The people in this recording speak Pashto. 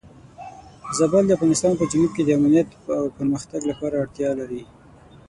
زابل د افغانستان په جنوب کې د امنیت او پرمختګ لپاره اړتیا لري.